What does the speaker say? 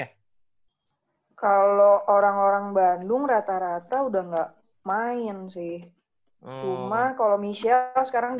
kalau orang orang bandung rata rata udah enggak main sih cuma kalau michelle sekarang